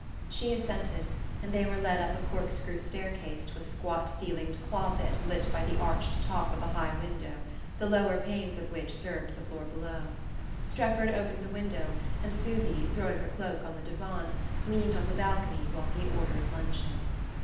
She assented, and they were led up a cork screw staircase to a squat ceilinged closet lit by the arched top of a high window, the lower panes of which served for the floor below. Strefford opened the window, and Susy, throwing her cloak on the divan, leaned on the balcony while he ordered luncheon.